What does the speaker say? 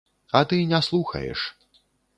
А ты не слухаеш.